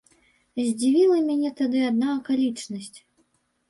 Здзівіла мяне тады адна акалічнасць.